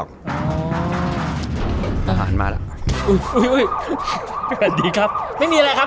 กัดดีครับไม่มีอะไรครับ